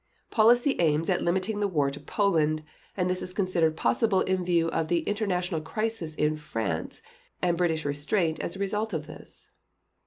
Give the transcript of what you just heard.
Policy aims at limiting the war to Poland, and this is considered possible in view of the internal crisis in France, and British restraint as a result of this."